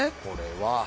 これは。